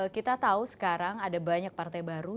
kita tahu sekarang ada banyak partai baru